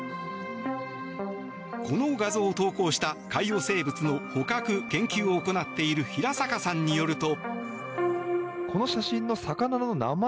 この画像を投稿した海洋生物の捕獲、研究を行っている平坂さんによると。